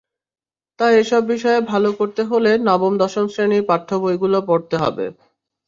তাই এসব বিষয়ে ভালো করতে হলে নবম-দশম শ্রেণির পাঠ্যবইগুলো পড়তে হবে।